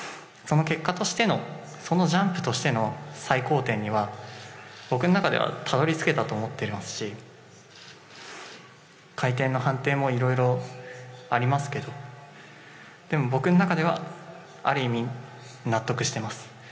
その結果としてのそのジャンプとしての最高点には僕の中ではたどり着けたと思っていますし回転の判定もいろいろありますけど僕の中ではある意味納得しています。